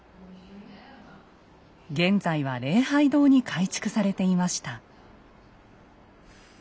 現在は礼拝堂に改築されていました。